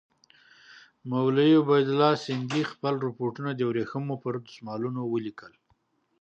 مولوي عبیدالله سندي خپل رپوټونه د ورېښمو پر دسمالونو ولیکل.